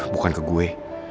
bukan ke gue